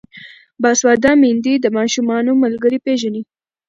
باسواده میندې د ماشومانو ملګري پیژني.